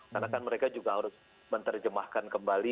karena kan mereka juga harus menerjemahkan kembali